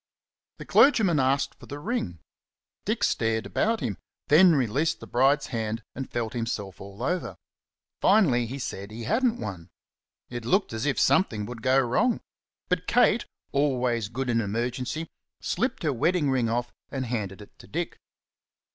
The clergyman asked for the ring. Dick stared at him, then released the bride's hand and felt himself all over; finally he said he hadn't one. It looked as if something would go wrong. But Kate, always good in emergency, slipped her wedding ring off and handed it to Dick.